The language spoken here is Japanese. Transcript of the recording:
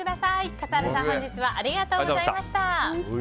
笠原さん、本日はありがとうございました。